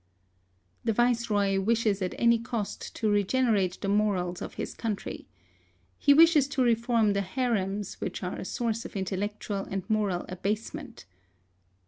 The Viceroy wishes at any cost to regenerate the morals of his country. He wishes to reform the harems, which are a source of intellectual and moral abasement.